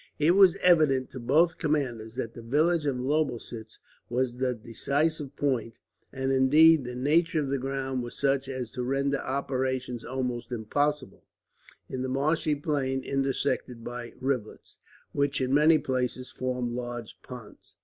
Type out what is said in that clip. It was evident to both commanders that the village of Lobositz was the decisive point; and indeed, the nature of the ground was such as to render operations almost impossible, in the marshy plain intersected by rivulets, which in many places formed large ponds.